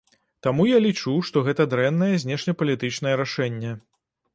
Таму я лічу, што гэта дрэннае знешнепалітычнае рашэнне.